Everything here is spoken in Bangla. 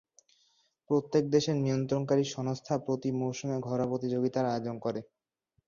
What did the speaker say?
প্রত্যেক দেশের নিয়ন্ত্রণকারী সংস্থা প্রতি মৌসুমে ঘরোয়া প্রতিযোগিতার আয়োজন করে।